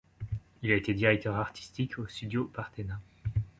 Il a été directeur artistique au studio Parthena.